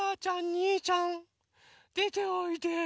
にーちゃんでておいで。